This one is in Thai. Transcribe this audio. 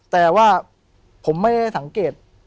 แต่ว่าผมไม่ได้สังเกต